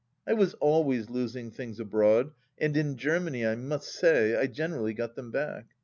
I was always losing things abroad, and in Germany, I must say, I generally got them back.